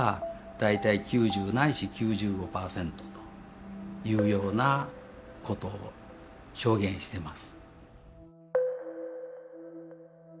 大体９０ないし９５％というようなことを証言してます。